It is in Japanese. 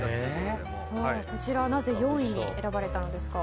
こちらなぜ４位に選ばれたのですか？